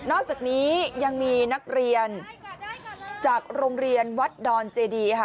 อกจากนี้ยังมีนักเรียนจากโรงเรียนวัดดอนเจดีค่ะ